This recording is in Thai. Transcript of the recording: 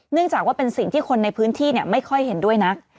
จากว่าเป็นสิ่งที่คนในพื้นที่ไม่ค่อยเห็นด้วยนะ